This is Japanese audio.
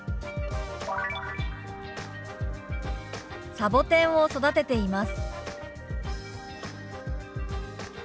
「サボテンを育てています」。